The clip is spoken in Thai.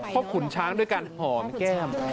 เพราะขุนช้างด้วยการหอมแก้ม